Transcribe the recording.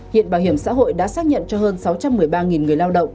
hiện bảo hiểm xã hội đã xác nhận cho hơn sáu trăm một mươi ba người lao động